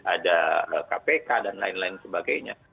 ada kpk dan lain lain sebagainya